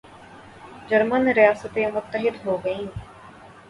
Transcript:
German ریاستیں متحد ہوگئیں